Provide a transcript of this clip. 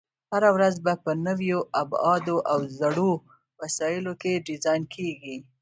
هره ورځ به په نویو ابعادو او زړو وسایلو کې ډیزاین کېږي.